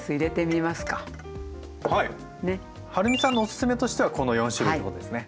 はるみさんのおすすめとしてはこの４種類ってことですね。